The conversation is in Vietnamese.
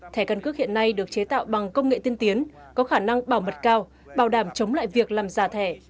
thẻ căn cước hiện nay được chế tạo bằng công nghệ tiên tiến có khả năng bảo mật cao bảo đảm chống lại việc làm giả thẻ